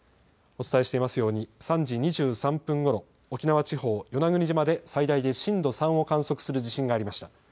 お伝えしていますように３時２３分ごろ、沖縄地方与那国島で最大で震度３を観測する地震がありました。